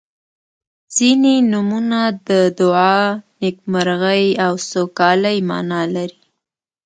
• ځینې نومونه د دعا، نیکمرغۍ او سوکالۍ معنا لري.